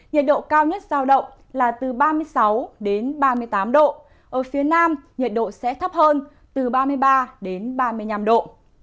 nhiệt độ cao nhất giao động là từ ba mươi sáu đến ba mươi tám độ ở phía nam nhiệt độ sẽ thấp hơn từ ba mươi ba đến ba mươi năm độ